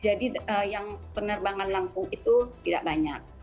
jadi yang penerbangan langsung itu tidak banyak